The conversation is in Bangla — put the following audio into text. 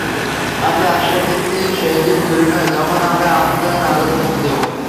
আমরা আশ্বাস দিচ্ছি, সেই দিন দূরে নয়, যখন আমরা তাঁদের নাগরিকত্ব দেব।